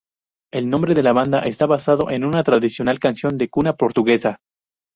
El nombre de la banda está basado en una tradicional canción de cuna portuguesa.